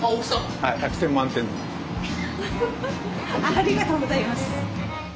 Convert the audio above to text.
ありがとうございます。